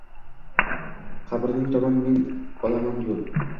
Qabring tomon men olaman yo’l.